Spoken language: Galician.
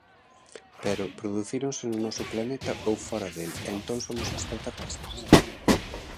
Pero, producíronse no noso planeta, ou fóra del e entón somos extraterrestres?